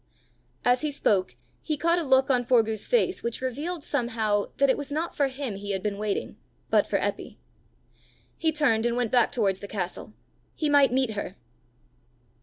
As he spoke he caught a look on Forgue's face which revealed somehow that it was not for him he had been waiting, but for Eppy. He turned and went back towards the castle: he might meet her!